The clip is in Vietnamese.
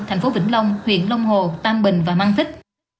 thành phố vĩnh long huyện long hồ tam bình và măng thích